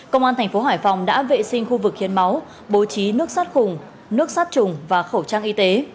công an tp hải phòng đã vệ sinh khu vực hiến máu bố trí nước sát khùng nước sát trùng và khẩu trang y tế